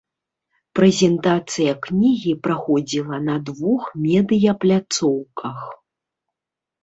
Прэзентацыя кнігі праходзіла на двух медыя-пляцоўках.